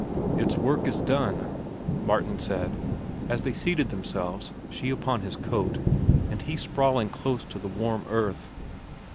"Its work is done," Martin said, as they seated themselves, she upon his coat, and he sprawling close to the warm earth.